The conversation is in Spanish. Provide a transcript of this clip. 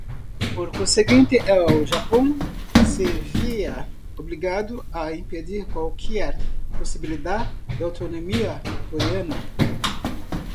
Por consiguiente, el Japón se veía obligado a impedir cualquier posibilidad de autonomía coreana.